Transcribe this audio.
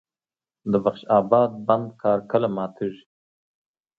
د بخش اباد بند کار کله ماتیږي؟